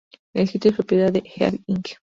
El sitio es propiedad de Heavy Inc.